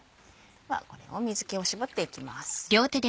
これを水気を絞っていきます。